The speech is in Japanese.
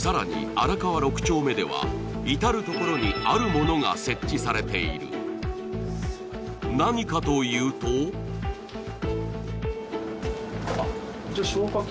荒川６丁目では至る所にあるものが設置されている何かというとあっ消火器